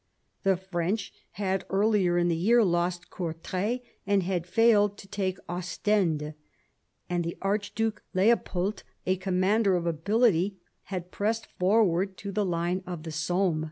The French had, earlier in the year, lost Courtray, and had failed to take Ostend, and the Archduke Leopold, a commander of ability, had pressed forward to the line of the Somme.